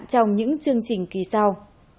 trong những chương trình kỳ sau